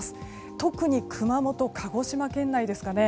特に、熊本、鹿児島県内ですね。